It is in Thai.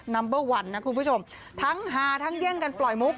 ัมเบอร์วันนะคุณผู้ชมทั้งฮาทั้งแย่งกันปล่อยมุก